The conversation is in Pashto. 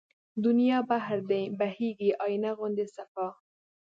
دنيا بحر دی بهيږي آينه غوندې صفا